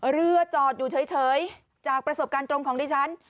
เรือจอดอยู่เฉยจากประสบการณ์ตรงของดิฉัน